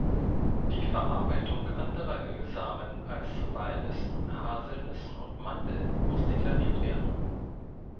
Die Verarbeitung anderer Ölsamen als Walnüssen, Haselnüssen und Mandeln muss deklariert werden.